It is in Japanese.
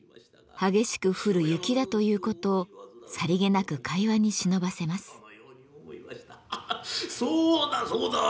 激しく降る雪だということをさりげなく会話にしのばせます。